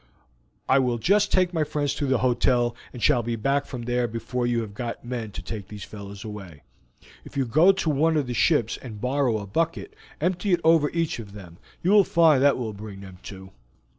"I will just take my friends to the hotel, and shall be back from there before you have got men to take these fellows away. If you go to one of those ships and borrow a bucket, empty it over each of them; you will find that will bring them to!"